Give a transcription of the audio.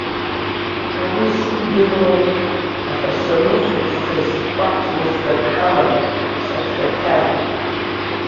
Уи сымдыруеи, аха санхәыҷӡаз ҟәарҭ мыждак ҳаман, саршәахьан.